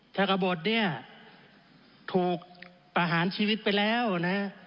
ถ้ากระบดเนี่ยถูกประหารชีวิตไปแล้วนะ